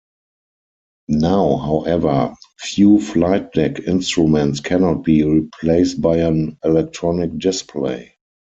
Now, however, few flight deck instruments cannot be replaced by an electronic display.